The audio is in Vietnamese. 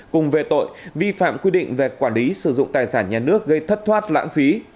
cùng về tội vi phạm quy định về quản lý sử dụng tài sản nhà nước gây thất thoát lãng phí